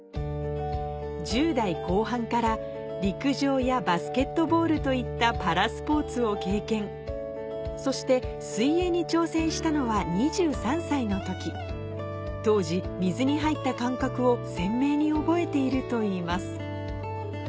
１０代後半から陸上やバスケットボールといったパラスポーツを経験そして当時水に入った感覚を鮮明に覚えているといいます